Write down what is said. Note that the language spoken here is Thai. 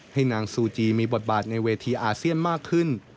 ให้นางซูจีมีบทบาทในเวทีอาเซียนมากขึ้น